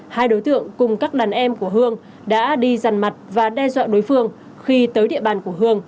hai đối tượng cùng các đàn em của hương đã đi dằn mặt và đe dọa đối phương khi tới địa bàn của hương